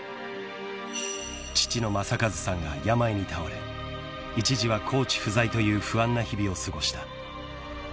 ［父の正和さんが病に倒れ一時はコーチ不在という不安な日々を過ごした］